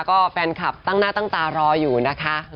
ก็แฟนคลับตั้งหน้าตั้งตารออยู่นะคะ